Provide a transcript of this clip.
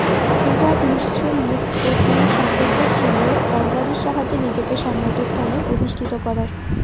কিন্তু, এক নিষ্ঠুর নৃপতির সংকল্প ছিল তরবারির সাহায্যে নিজেকে সম্রাটের স্থানে অধিষ্ঠিত করার!